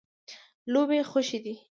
لوبې خوښې دي.